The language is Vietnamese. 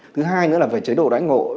thứ hai nữa là về chế độ đánh ngộ